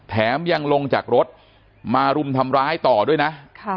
แถมยังลงจากรถมารุมทำร้ายต่อด้วยนะ